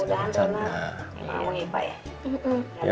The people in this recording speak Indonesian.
emang hebat ya